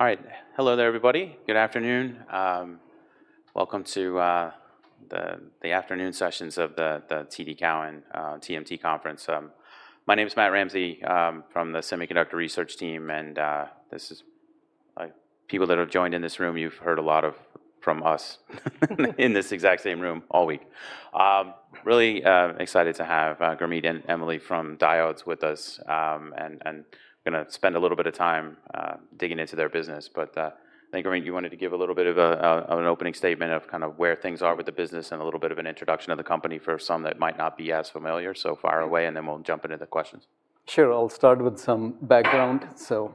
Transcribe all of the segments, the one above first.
All right. Hello there, everybody. Good afternoon. Welcome to the afternoon sessions of the TD Cowen TMT conference. My name is Matt Ramsey from the Semiconductor Research team, and, this is, people that have joined in this room, you've heard a lot from us, in this exact same room all week. Really excited to have Gurmeet and Emily from Diodes with us. And gonna spend a little bit of time digging into their business. But I think, Gurmeet, you wanted to give a little bit of an opening statement of kind of where things are with the business, and a little bit of an introduction of the company for some that might not be as familiar. So fire away, and then we'll jump into the questions. Sure, I'll start with some background. So,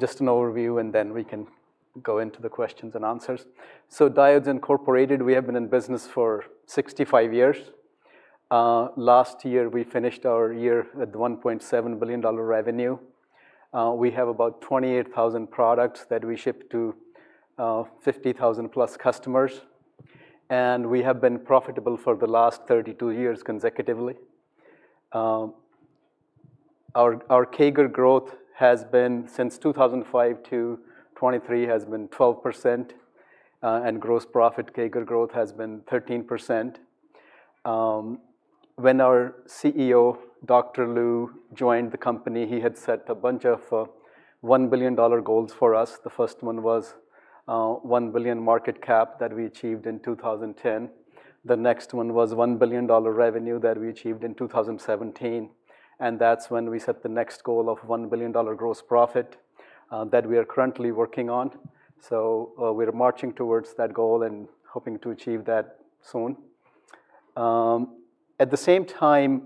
just an overview, and then we can go into the questions and answers. So Diodes Incorporated, we have been in business for 65 years. Last year, we finished our year at $1.7 billion revenue. We have about 28,000 products that we ship to 50,000+ customers, and we have been profitable for the last 32 years consecutively. Our CAGR growth has been, since 2005 to 2023, 12%, and gross profit CAGR growth has been 13%. When our CEO, Dr. Lu, joined the company, he had set a bunch of $1 billion goals for us. The first one was $1 billion market cap that we achieved in 2010. The next one was $1 billion revenue that we achieved in 2017, and that's when we set the next goal of $1 billion gross profit that we are currently working on. So, we're marching towards that goal and hoping to achieve that soon. At the same time,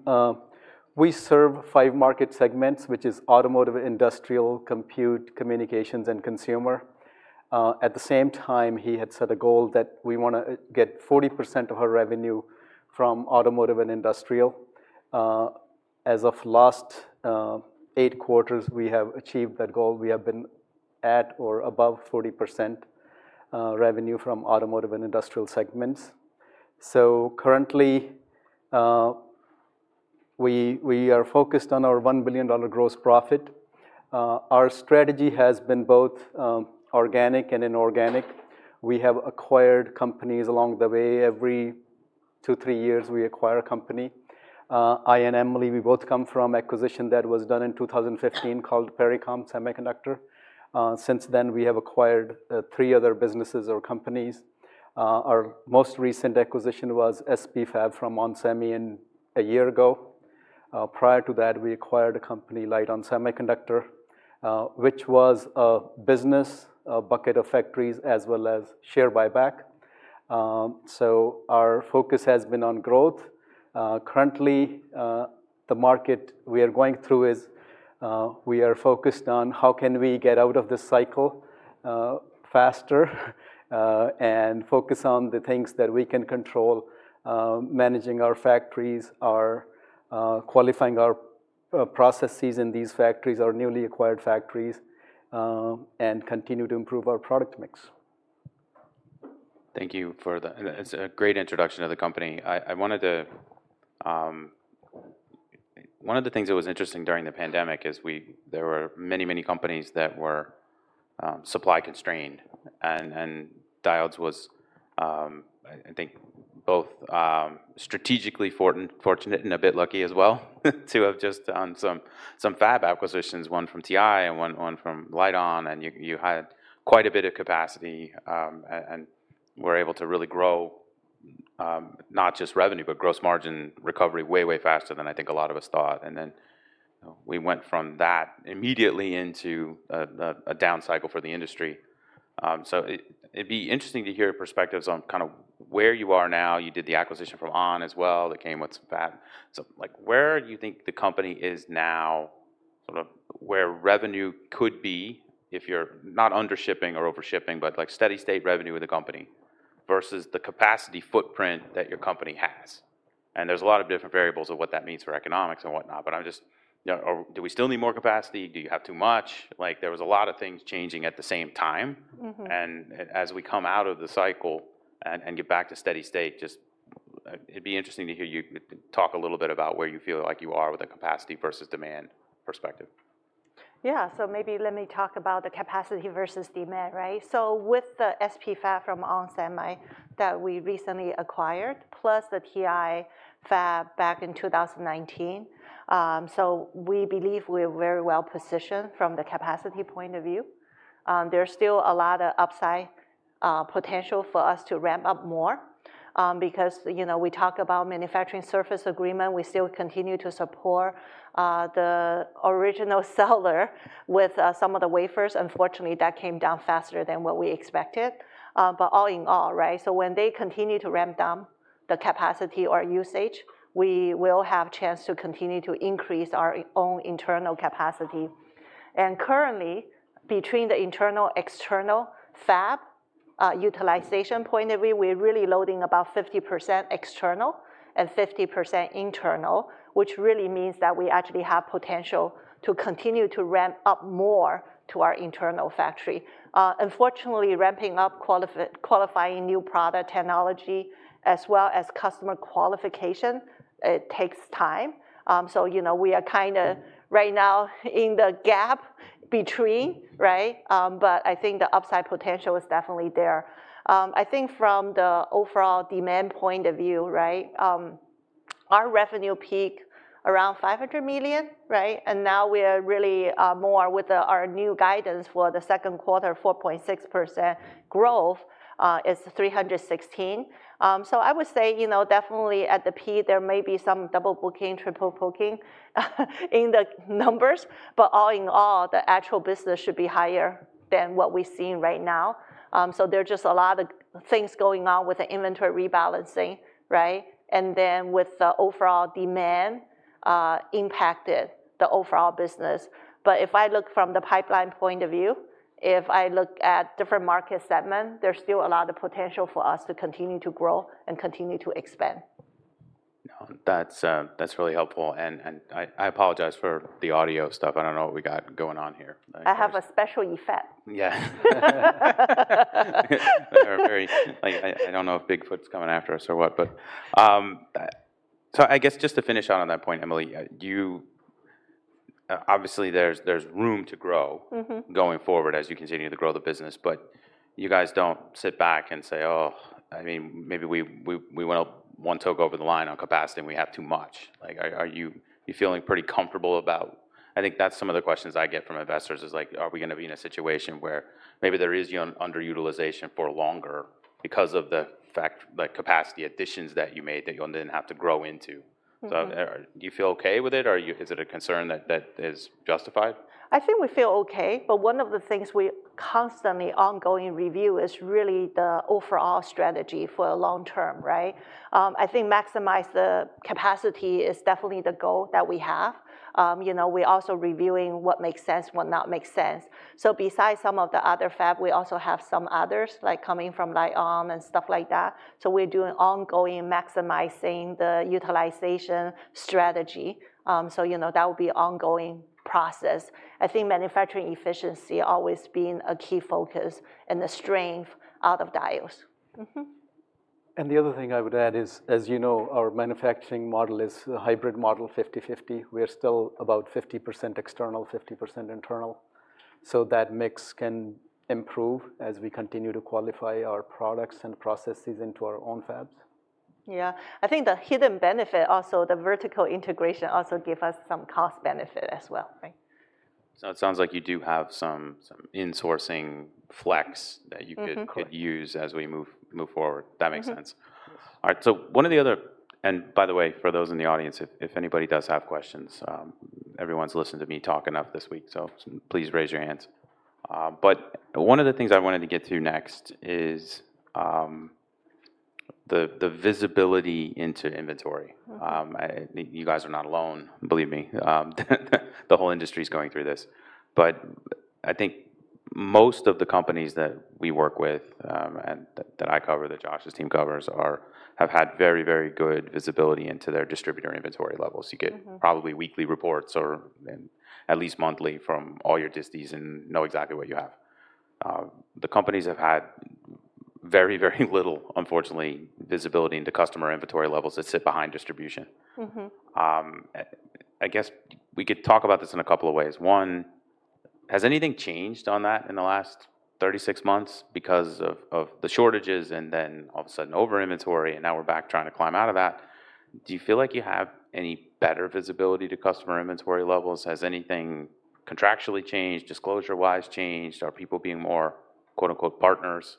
we serve 5 market segments, which is automotive, industrial, compute, communications, and consumer. At the same time, he had set a goal that we wanna get 40% of our revenue from automotive and industrial. As of last 8 quarters, we have achieved that goal. We have been at or above 40% revenue from automotive and industrial segments. So currently, we are focused on our $1 billion gross profit. Our strategy has been both organic and inorganic. We have acquired companies along the way. Every two, three years, we acquire a company. I and Emily, we both come from acquisition that was done in 2015, called Pericom Semiconductor. Since then, we have acquired three other businesses or companies. Our most recent acquisition was SP Fab from ON Semiconductor a year ago. Prior to that, we acquired a company, Lite-On Semiconductor, which was a business, a bucket of factories, as well as share buyback. So our focus has been on growth. Currently, the market we are going through is, we are focused on how can we get out of this cycle faster, and focus on the things that we can control, managing our factories, our, qualifying our, processes in these factories, our newly acquired factories, and continue to improve our product mix. Thank you for the... It's a great introduction of the company. I wanted to—One of the things that was interesting during the pandemic is we—there were many, many companies that were supply constrained, and Diodes was, I think both strategically fortunate and a bit lucky as well, to have just done some fab acquisitions, one from TI and one from Lite-On, and you had quite a bit of capacity. And were able to really grow, not just revenue, but gross margin recovery, way, way faster than I think a lot of us thought. And then, we went from that immediately into a down cycle for the industry. So it'd be interesting to hear your perspectives on kind of where you are now. You did the acquisition from ON Semiconductor as well, that came with some fab. So, like, where do you think the company is now? Sort of where revenue could be if you're not under shipping or over shipping, but like steady state revenue with the company, versus the capacity footprint that your company has. And there's a lot of different variables of what that means for economics and whatnot, but I'm just, you know... Do we still need more capacity? Do you have too much? Like, there was a lot of things changing at the same time. Mm-hmm. And as we come out of the cycle and get back to steady state, just it’d be interesting to hear you talk a little bit about where you feel like you are with the capacity versus demand perspective. Yeah. So maybe let me talk about the capacity versus demand, right? So with the SP Fab from ON Semiconductor that we recently acquired, plus the TI Fab back in 2019, so we believe we're very well positioned from the capacity point of view. There's still a lot of upside, potential for us to ramp up more, because, you know, we talk about manufacturing services agreement. We still continue to support, the original seller with, some of the wafers. Unfortunately, that came down faster than what we expected. But all in all, right? So when they continue to ramp down the capacity or usage, we will have chance to continue to increase our own internal capacity. Currently, between the internal, external fab, utilization point of view, we're really loading about 50% external and 50% internal, which really means that we actually have potential to continue to ramp up more to our internal factory. Unfortunately, ramping up qualifying new product technology as well as customer qualification, it takes time. So, you know, we are kinda right now in the gap between, right? But I think the upside potential is definitely there. I think from the overall demand point of view, right, our revenue peak around $500 million, right? And now we are really more with the, our new guidance for the second quarter, 4.6% growth, is $316 million. So I would say, you know, definitely at the peak, there may be some double booking, triple booking, in the numbers, but all in all, the actual business should be higher than what we're seeing right now. So there are just a lot of things going on with the inventory rebalancing, right? And then with the overall demand, impacted the overall business. But if I look from the pipeline point of view, if I look at different market segment, there's still a lot of potential for us to continue to grow and continue to expand. No, that's, that's really helpful, and, and I, I apologize for the audio stuff. I don't know what we got going on here. I have a special effect. Yeah. They are very... I don't know if Bigfoot's coming after us or what, but, so I guess just to finish out on that point, Emily, you obviously there's room to grow- Mm-hmm. Going forward as you continue to grow the business, but you guys don't sit back and say, "Oh, I mean, maybe we went up one toe over the line on capacity, and we have too much." Like, are you feeling pretty comfortable about... I think that's some of the questions I get from investors is like, are we gonna be in a situation where maybe there is underutilization for longer because of the fact, like, capacity additions that you made that you then have to grow into? Mm-hmm. So, do you feel okay with it, or are you- is it a concern that, that is justified? I think we feel okay, but one of the things we constantly ongoing review is really the overall strategy for long term, right? I think maximize the capacity is definitely the goal that we have. You know, we're also reviewing what makes sense, what not makes sense. So besides some of the other fab, we also have some others, like coming from like, Oldham and stuff like that. So we're doing ongoing, maximizing the utilization strategy. So, you know, that would be ongoing process. I think manufacturing efficiency always been a key focus and the strength out of Diodes. The other thing I would add is, as you know, our manufacturing model is a hybrid model, 50/50. We are still about 50% external, 50% internal. So that mix can improve as we continue to qualify our products and processes into our own fabs. Yeah. I think the hidden benefit, also the vertical integration also give us some cost benefit as well, right? So it sounds like you do have some insourcing flex that you- Mm-hmm... could use as we move forward. Mm-hmm. That makes sense. Yes. All right. So one of the other, and by the way, for those in the audience, if anybody does have questions, everyone's listened to me talk enough this week, so please raise your hands. But one of the things I wanted to get to next is the visibility into inventory. You guys are not alone, believe me. The whole industry is going through this, but I think most of the companies that we work with, and that I cover, that Josh's team covers, have had very, very good visibility into their distributor inventory levels. Mm-hmm. You get probably weekly reports or and at least monthly from all your disties and know exactly what you have. The companies have had very, very little, unfortunately, visibility into customer inventory levels that sit behind distribution. Mm-hmm. I guess we could talk about this in a couple of ways. One, has anything changed on that in the last 36 months because of, of the shortages and then all of a sudden, over inventory, and now we're back trying to climb out of that? Do you feel like you have any better visibility to customer inventory levels? Has anything contractually changed, disclosure-wise changed? Are people being more quote, unquote, "partners?"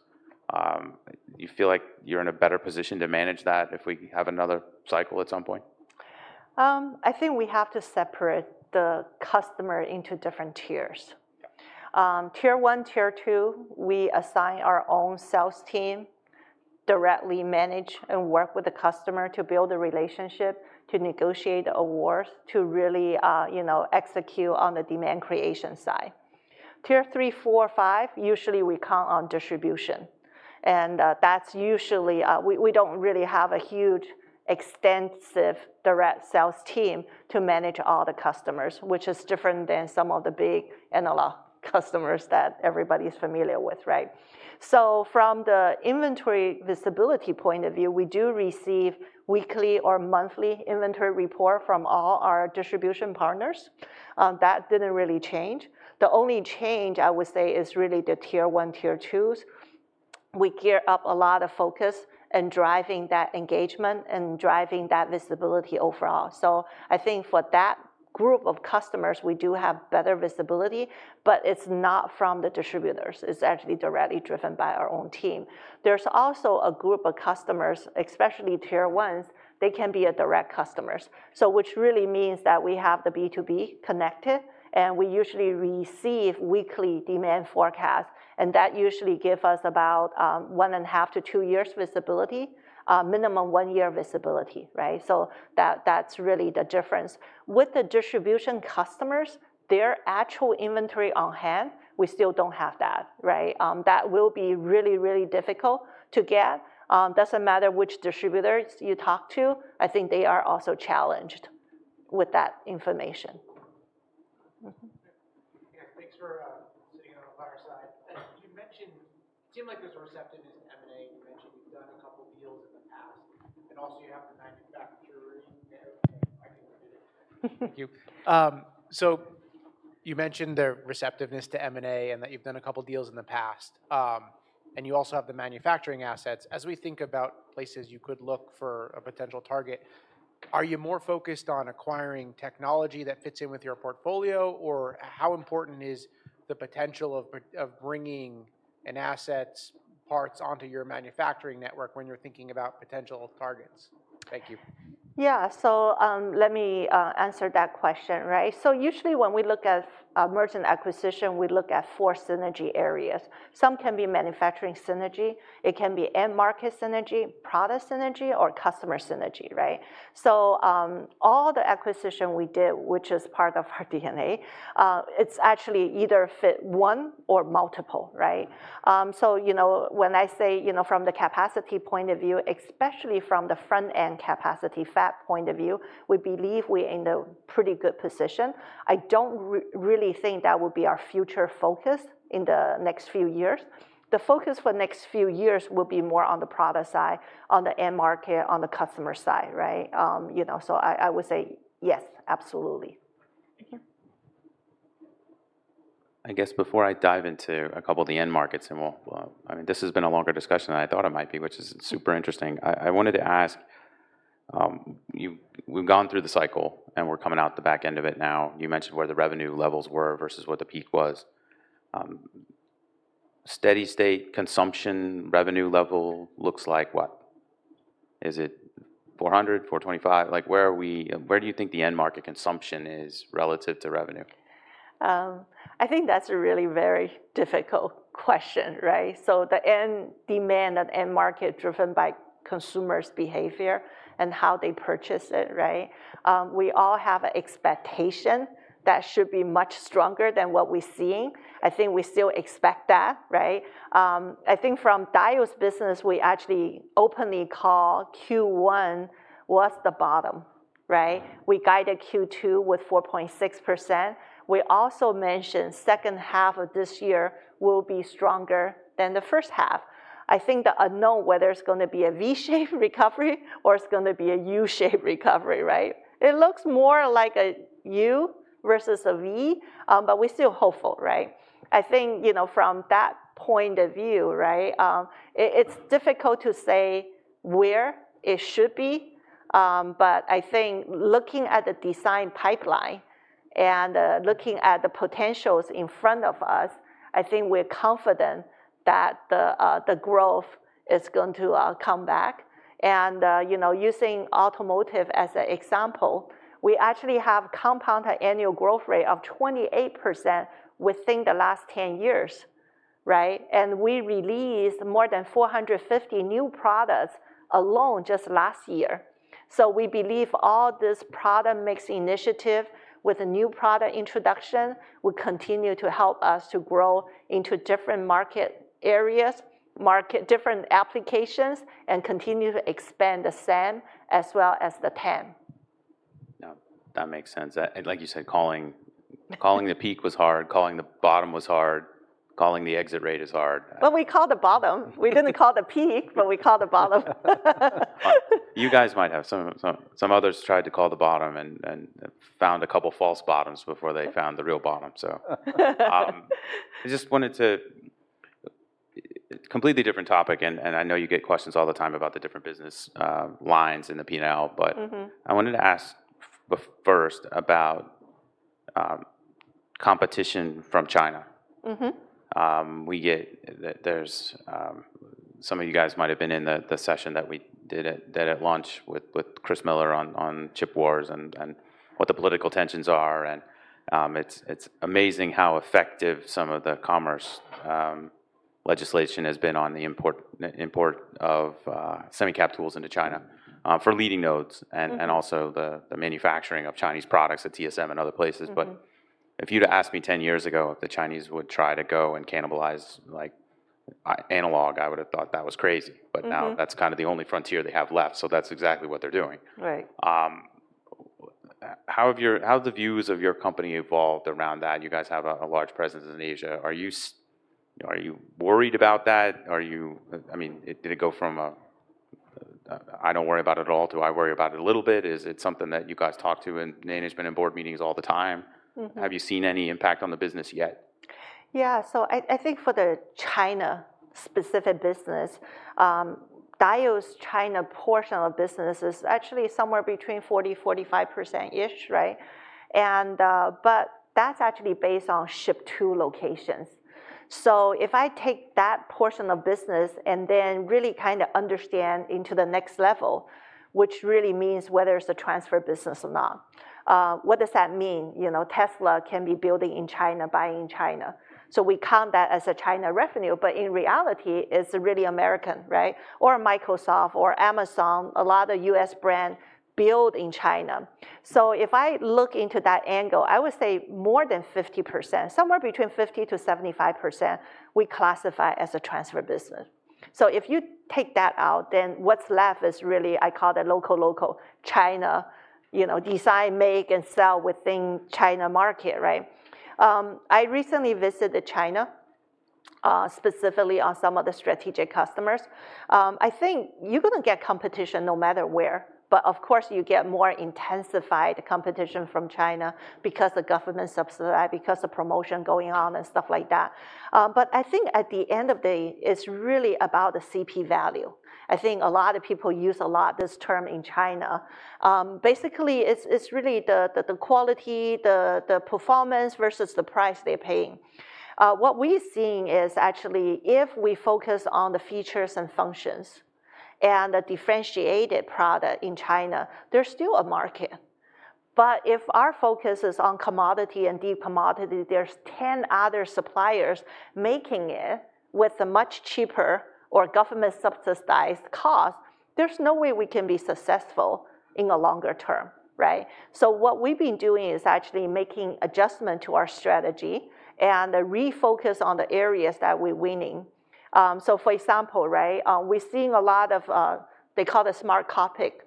Do you feel like you're in a better position to manage that if we have another cycle at some point? I think we have to separate the customer into different tiers. Yeah. Tier One, Tier Two, we assign our own sales team, directly manage and work with the customer to build a relationship, to negotiate awards, to really, you know, execute on the demand creation side. Tier Three, Four, Five, usually we count on distribution, and, that's usually, we don't really have a huge, extensive direct sales team to manage all the customers, which is different than some of the big analog customers that everybody's familiar with, right? So from the inventory visibility point of view, we do receive weekly or monthly inventory report from all our distribution partners. That didn't really change. The only change, I would say, is really the Tier One, Tier Twos. We gear up a lot of focus in driving that engagement and driving that visibility overall. So I think for that group of customers, we do have better visibility, but it's not from the distributors. It's actually directly driven by our own team. There's also a group of customers, especially Tier Ones, they can be a direct customers. So which really means that we have the B2B connected, and we usually receive weekly demand forecast, and that usually give us about 1.5-2 years visibility, minimum 1-year visibility, right? So that, that's really the difference. With the distribution customers, their actual inventory on hand, we still don't have that, right? That will be really, really difficult to get. Doesn't matter which distributors you talk to, I think they are also challenged with that information. Mm-hmm. Yeah, thanks for sitting on the fireside. As you mentioned, it seemed like there's receptiveness to M&A. You mentioned you've done a couple deals in the past, and also you have the manufacturing there. I think we're good. Thank you. So you mentioned the receptiveness to M&A, and that you've done a couple deals in the past. And you also have the manufacturing assets. As we think about places you could look for a potential target, are you more focused on acquiring technology that fits in with your portfolio? Or how important is the potential of bringing an asset's parts onto your manufacturing network when you're thinking about potential targets? Thank you. Yeah. So, let me answer that question, right? So usually, when we look at merchant acquisition, we look at four synergy areas. Some can be manufacturing synergy, it can be end market synergy, product synergy, or customer synergy, right? So, all the acquisition we did, which is part of our DNA, it's actually either fit one or multiple, right? So you know, when I say, you know, from the capacity point of view, especially from the front-end capacity fab point of view, we believe we're in a pretty good position. I don't really think that will be our future focus in the next few years. The focus for next few years will be more on the product side, on the end market, on the customer side, right? So you know, so I, I would say yes, absolutely. Thank you. I guess before I dive into a couple of the end markets, and we'll, I mean, this has been a longer discussion than I thought it might be, which is super interesting. I wanted to ask, you've gone through the cycle, and we're coming out the back end of it now. You mentioned where the revenue levels were versus what the peak was. Steady state consumption, revenue level looks like what? Is it 400, 425? Like, where are we, where do you think the end market consumption is relative to revenue? I think that's a really very difficult question, right? So the end demand at end market, driven by consumers' behavior and how they purchase it, right? We all have an expectation that should be much stronger than what we're seeing. I think we still expect that, right? I think from Diodes business, we actually openly call Q1 what's the bottom, right? We guided Q2 with 4.6%. We also mentioned second half of this year will be stronger than the first half. I think the unknown, whether it's gonna be a V-shaped recovery or it's gonna be a U-shaped recovery, right? It looks more like a U versus a V, but we're still hopeful, right? I think, you know, from that point of view, right, it, it's difficult to say where it should be. But I think looking at the design pipeline and looking at the potentials in front of us, I think we're confident that the growth is going to come back. And you know, using automotive as an example, we actually have compound annual growth rate of 28% within the last 10 years, right? And we released more than 450 new products alone just last year. So we believe all this product mix initiative with the new product introduction will continue to help us to grow into different market areas, market different applications, and continue to expand the SAM as well as the TAM. Now, that makes sense. Like you said, calling the peak was hard, calling the bottom was hard, calling the exit rate is hard. But we called the bottom. We didn't call the peak, but we called the bottom. You guys might have. Some others tried to call the bottom and found a couple false bottoms before they found the real bottom, so. I just wanted to—completely different topic, and I know you get questions all the time about the different business lines in the P&L. Mm-hmm. I wanted to ask first about competition from China. Mm-hmm. There's some of you guys might have been in the session that we did at lunch with Chris Miller on Chip War and what the political tensions are and it's amazing how effective some of the commerce legislation has been on the import of semicon tools into China for leading nodes. Mm-hmm... and also the manufacturing of Chinese products at TSM and other places. Mm-hmm. But if you'd asked me 10 years ago, if the Chinese would try to go and cannibalize, like, analog, I would have thought that was crazy. Mm-hmm. But now, that's kind of the only frontier they have left, so that's exactly what they're doing. Right. How have your—how have the views of your company evolved around that? You guys have a large presence in Asia. Are you worried about that? Are you—I mean, did it go from a, "I don't worry about it at all, to I worry about it a little bit?" Is it something that you guys talk to in management and board meetings all the time? Mm-hmm. Have you seen any impact on the business yet? Yeah. So I, I think for the China-specific business, Diodes China portion of business is actually somewhere between 40%-45%ish, right? And, but that's actually based on ship to locations. So if I take that portion of business and then really kind of understand into the next level, which really means whether it's a transfer business or not, what does that mean? You know, Tesla can be building in China, buying in China, so we count that as a China revenue, but in reality, it's really American, right? Or Microsoft or Amazon, a lot of U.S. brands build in China. So if I look into that angle, I would say more than 50%, somewhere between 50%-75%, we classify as a transfer business. So if you take that out, then what's left is really, I call it local, local China, you know, design, make, and sell within China market, right? I recently visited China, specifically on some of the strategic customers. I think you're gonna get competition no matter where, but of course, you get more intensified competition from China because the government subsidize, because the promotion going on and stuff like that. But I think at the end of the day, it's really about the CP value. I think a lot of people use a lot this term in China. Basically, it's, it's really the, the, the quality, the, the performance versus the price they're paying. What we're seeing is actually if we focus on the features and functions and the differentiated product in China, there's still a market. But if our focus is on commodity and de-commodity, there's 10 other suppliers making it with a much cheaper or government-subsidized cost, there's no way we can be successful in the longer term, right? So what we've been doing is actually making adjustment to our strategy and a refocus on the areas that we're winning. So for example, right, we're seeing a lot of, they call it smart cockpit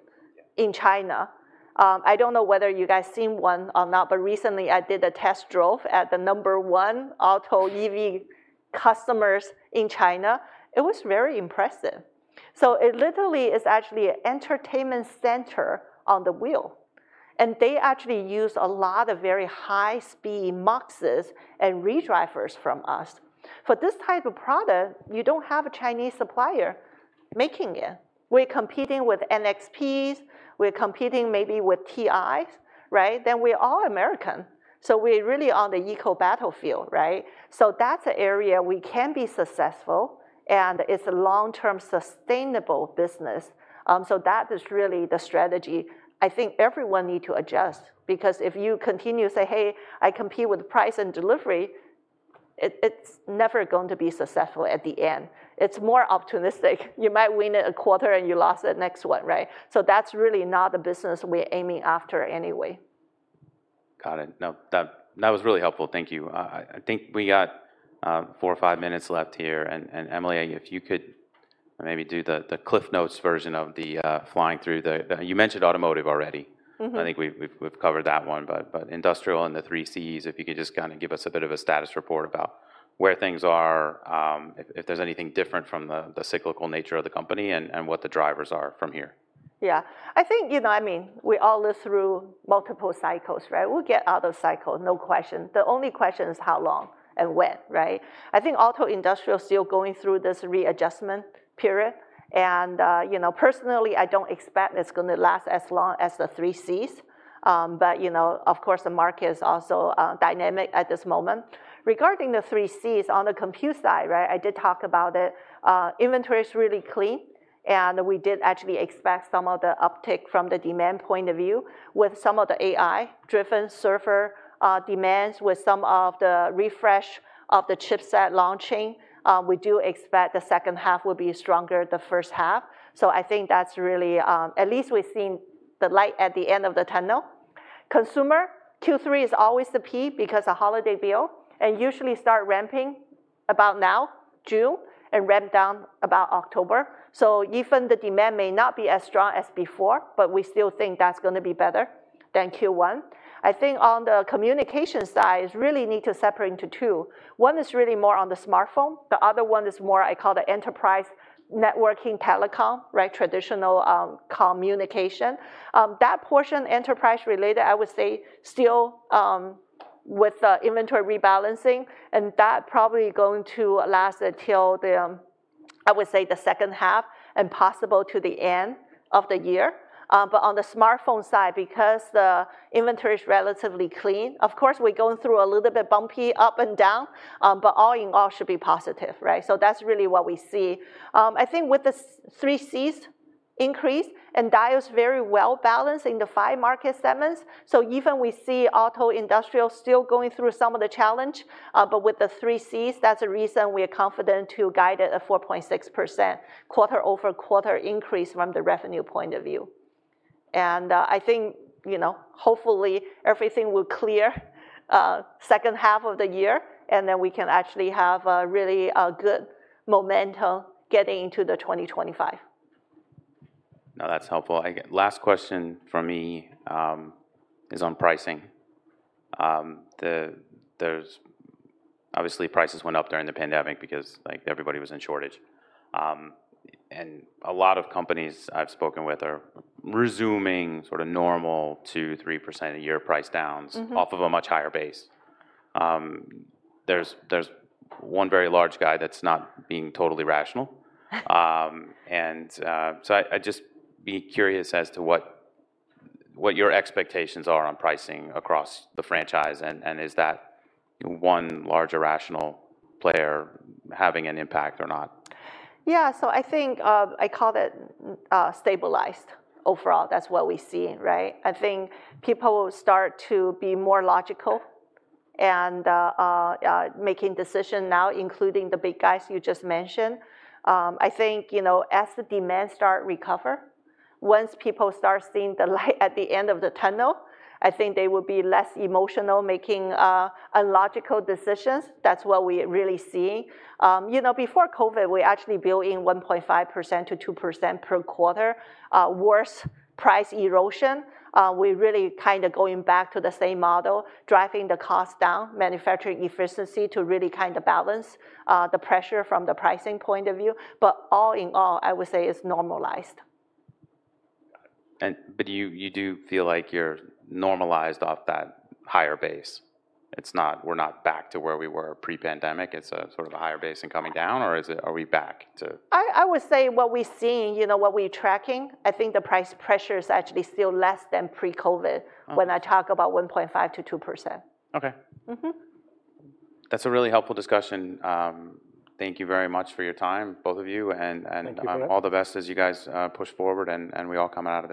in China. I don't know whether you guys seen one or not, but recently, I did a test drive at the number one auto EV customers in China. It was very impressive. So it literally is actually an entertainment center on the wheel, and they actually use a lot of very high-speed muxes and redrivers from us. For this type of product, you don't have a Chinese supplier making it. We're competing with NXP's, we're competing maybe with TI's, right? Then we're all American, so we're really on the equal battlefield, right? So that's an area we can be successful, and it's a long-term, sustainable business. So that is really the strategy I think everyone need to adjust because if you continue to say, "Hey, I compete with price and delivery," it's never going to be successful at the end. It's more optimistic. You might win it a quarter, and you lost the next one, right? So that's really not the business we're aiming after anyway. Got it. No, that, that was really helpful. Thank you. I think we got four or five minutes left here, and, and Emily, if you could maybe do the CliffsNotes version of the flying through the you mentioned automotive already. Mm-hmm. I think we've covered that one, but industrial and the 3C-SiC, if you could just kinda give us a bit of a status report about where things are, if there's anything different from the cyclical nature of the company, and what the drivers are from here. Yeah. I think, you know, I mean, we all live through multiple cycles, right? We'll get out of cycle, no question. The only question is how long and when, right? I think auto industrial still going through this readjustment period, and, you know, personally, I don't expect it's gonna last as long as the 3C-SiC. But, you know, of course, the market is also, dynamic at this moment. Regarding the 3C-SiC, on the compute side, right, I did talk about it. Inventory is really clean, and we did actually expect some of the uptick from the demand point of view with some of the AI-driven server, demands, with some of the refresh of the chipset launching. We do expect the second half will be stronger the first half, so I think that's really... At least we've seen the light at the end of the tunnel. Consumer, Q3 is always the peak because of holiday bill, and usually start ramping about now, June, and ramp down about October. So even the demand may not be as strong as before, but we still think that's gonna be better than Q1. I think on the communication side is really need to separate into two. One is really more on the smartphone. The other one is more I call the enterprise networking telecom, right? Traditional, communication. That portion, enterprise-related, I would say still, with the inventory rebalancing, and that probably going to last until the, I would say, the second half, and possible to the end of the year. But on the smartphone side, because the inventory is relatively clean, of course, we're going through a little bit bumpy up and down, but all in all, should be positive, right? So that's really what we see. I think with the 3Cs increase, and Diodes is very well-balanced in the five market segments, so even we see auto industrial still going through some of the challenge. But with the 3Cs, that's the reason we are confident to guide it at 4.6% quarter-over-quarter increase from the revenue point of view. And, I think, you know, hopefully, everything will clear, second half of the year, and then we can actually have a really, good momentum getting into 2025. No, that's helpful. Last question from me is on pricing. There's obviously prices went up during the pandemic because, like, everybody was in shortage. And a lot of companies I've spoken with are resuming sort of normal to 3% a year price downs- Mm-hmm... off of a much higher base. There's one very large guy that's not being totally rational. And so I'd just be curious as to what your expectations are on pricing across the franchise, and is that one large irrational player having an impact or not? Yeah, so I think, I call it stabilized. Overall, that's what we're seeing, right? I think people will start to be more logical and making decision now, including the big guys you just mentioned. I think, you know, as the demand start recover, once people start seeing the light at the end of the tunnel, I think they will be less emotional, making illogical decisions. That's what we're really seeing. You know, before COVID, we're actually building 1.5%-2% per quarter worse price erosion. We're really kind of going back to the same model, driving the cost down, manufacturing efficiency to really kind of balance the pressure from the pricing point of view. But all in all, I would say it's normalized. But you, you do feel like you're normalized off that higher base? It's not- we're not back to where we were pre-pandemic, it's a sort of a higher base and coming down, or is it- are we back to- I would say what we're seeing, you know, what we're tracking, I think the price pressure is actually still less than pre-COVID- Mm-hmm... when I talk about 1.5%-2%. Okay. Mm-hmm. That's a really helpful discussion. Thank you very much for your time, both of you, and- Thank you... all the best as you guys push forward and we all come out of this.